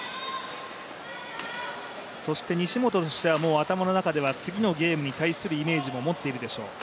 そして、西本としてはもう頭の中では次のゲームに対するイメージも持っているでしょう。